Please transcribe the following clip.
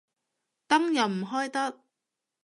燈又唔開得